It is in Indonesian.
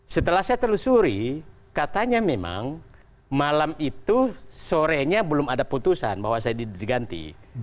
setelah saya telusuri katanya memang malam itu sorenya belum ada putusan bahwa saya diganti